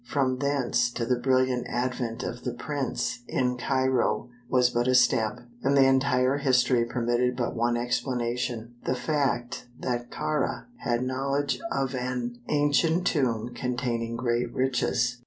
From thence to the brilliant advent of the "prince" in Cairo was but a step, and the entire history permitted but one explanation the fact that Kāra had knowledge of an ancient tomb containing great riches.